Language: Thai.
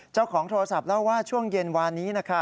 เจ้าของโทรศัพท์เล่าว่าช่วงเย็นวานนี้